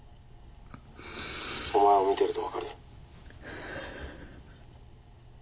お前を見てると分かる。